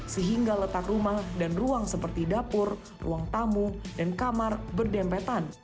sehingga letak rumah dan ruang seperti dapur ruang tamu dan kamar berdempetan